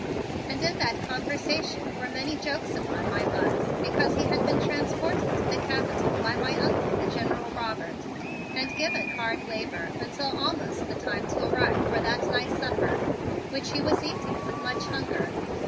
And in that conversation were very many jokes upon my Buzz because he had been transported to the Capitol by my Uncle, the General Robert, and given hard labor until almost the time to arrive for that nice supper, which he was eating with much hunger.